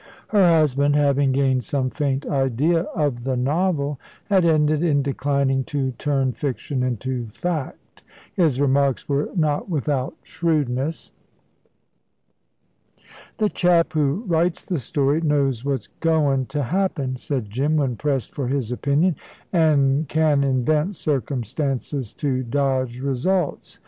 Her husband, having gained some faint idea of the novel, had ended in declining to turn fiction into fact. His remarks were not without shrewdness. "The chap who writes the story knows what's goin' to happen," said Jim, when pressed for his opinion, "an' can invent circumstances to dodge results.